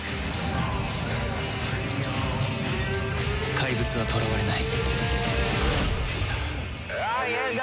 怪物は囚われない